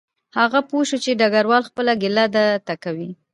هغه پوه شو چې ډګروال خپله ګیله ده ته کوي